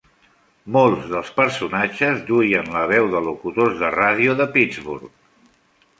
Molts dels personatges duien la veu de locutors de ràdio de Pittsburgh.